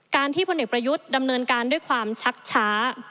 ที่พลเอกประยุทธ์ดำเนินการด้วยความชักช้า